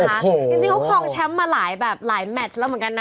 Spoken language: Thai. จริงเขาครองแชมป์มาหลายแบบหลายแมทแล้วเหมือนกันนะ